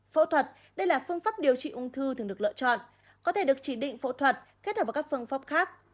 phẫu thuật đây là phương pháp điều trị ung thư thường được lựa chọn có thể được chỉ định phẫu thuật kết hợp với các phương pháp khác